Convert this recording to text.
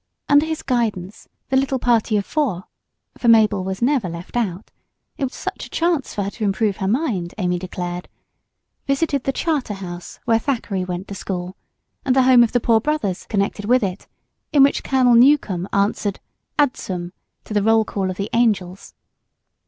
Under his guidance the little party of four for Mabel was never left out; it was such a chance for her to improve her mind, Amy declared visited the Charter House, where Thackeray went to school, and the Home of the Poor Brothers connected with it, in which Colonel Newcome answered "Adsum" to the roll call of the angels.